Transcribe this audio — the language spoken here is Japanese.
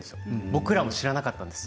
僕らも知らなかったんです。